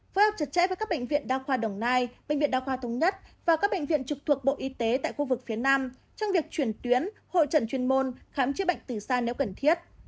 phối hợp chặt chẽ với các bệnh viện đa khoa đồng nai bệnh viện đa khoa thống nhất và các bệnh viện trực thuộc bộ y tế tại khu vực phía nam trong việc chuyển tuyến hội trận chuyên môn khám chữa bệnh từ xa nếu cần thiết